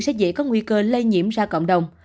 sẽ dễ có nguy cơ lây nhiễm ra cộng đồng